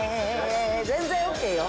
全然ＯＫよ。